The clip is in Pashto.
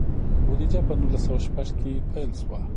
بودیجه په نولس سوه شپږ کې پیل شوه.